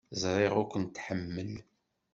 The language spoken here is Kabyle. Ẓriɣ ur kent-tḥemmel.